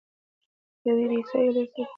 یو یې د عیسی علیه السلام صلیب دی.